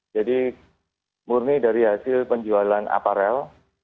jadi murni dari hasil penjualan aparel